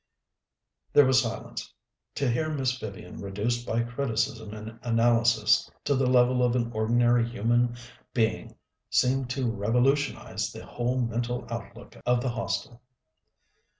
There was silence. To hear Miss Vivian reduced by criticism and analysis to the level of an ordinary human being seemed to revolutionize the whole mental outlook of the Hostel.